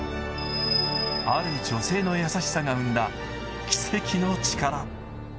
ある女性の優しさが生んだ奇跡の力。